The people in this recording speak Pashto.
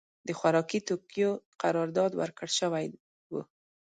د خوارکي توکیو قرارداد ورکړای شوی و.